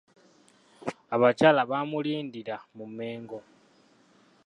Abakyala baamulindira mu Mmengo.